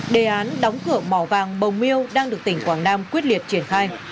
đề án đóng cửa mỏ vàng bồng miêu đang được tỉnh quảng nam quyết liệt triển khai